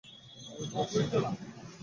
আমি তোমার শিক্ষক।